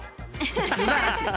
すばらしい。